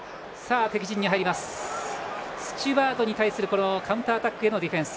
スチュワートに対するカウンターアタックのディフェンス。